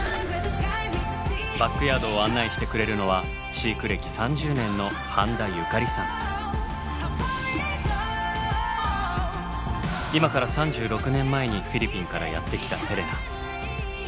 バックヤードを案内してくれるのは飼育歴３０年の今から３６年前にフィリピンからやって来たセレナ。